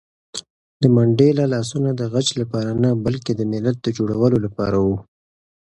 د منډېلا لاسونه د غچ لپاره نه، بلکې د ملت د جوړولو لپاره وو.